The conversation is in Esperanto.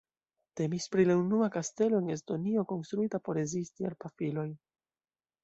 Temis pri la unua kastelo en Estonio konstruita por rezisti al pafiloj.